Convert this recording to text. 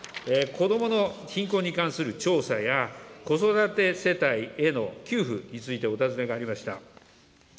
子どもの貧困に関する調査や、子育て世帯への給付についてお尋ねがありました。